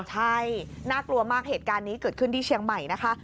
ใช่น่ากลัวมากเหตุการณ์นี้เกิดขึ้นที่เชียงใหม่นะคะ